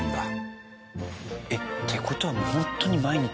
えっって事はホントに毎日。